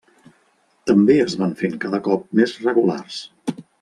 També es van fent cada cop més regulars.